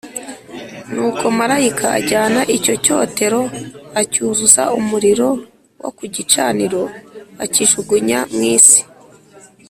Nuko marayika ajyana icyo cyotero acyuzuza umuriro wo ku gicaniro akijugunya mu isi,